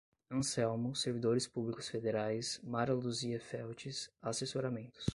Anselmo, servidores públicos federais, Mara Luzia Feltes, assessoramentos